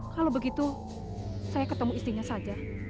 kalau begitu saya ketemu istrinya saja